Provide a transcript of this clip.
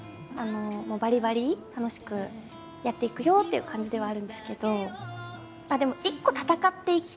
ばりばり楽しくやっていくよっていう感じではあるんですけど。